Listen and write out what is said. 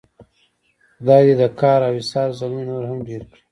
خدای دې د کار او ایثار زلمي نور هم ډېر کړي.